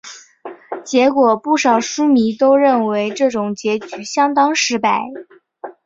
结果不少书迷都认为这种结局相当失败。